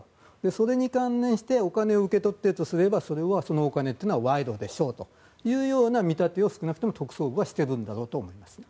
それに関連してお金を受け取っているとすればそれはそのお金は賄賂でしょうというような見立てを少なくとも特捜部はしているんだと思います。